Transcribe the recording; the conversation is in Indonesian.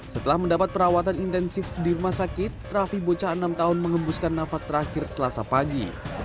setelah mendapat perawatan intensif di rumah sakit rafi bocah enam tahun mengembuskan nafas terakhir selasa pagi